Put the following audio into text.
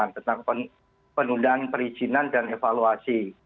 tentang penundaan perizinan dan evaluasi